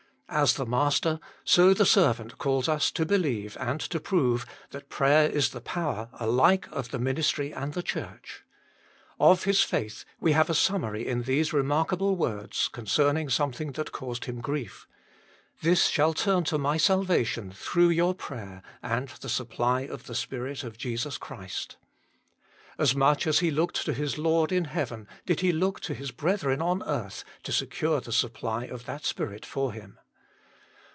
As the Master, so the servant calls us to believe and to prove that prayer is the power alike of the ministry and the Church. Of his faith we have a summary in these remarkable words concerning something that caused him grief :" This shall turn to my salvation through your prayer, and the supply of the Spirit of Jesus Christ." As much as he looked to his Lord in heaven did he look to his brethren on earth, to secure the supply of that Spirit for him.